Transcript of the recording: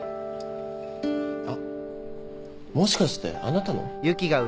あっもしかしてあなたの？